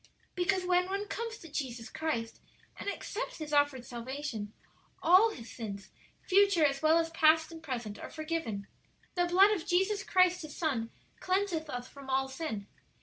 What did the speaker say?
"Because when one comes to Jesus Christ and accepts His offered salvation, all his sins, future as well as past and present, are forgiven. 'The blood of Jesus Christ, His Son, cleanseth us from all sin.'